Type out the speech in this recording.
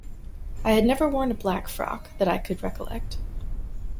I had never worn a black frock, that I could recollect.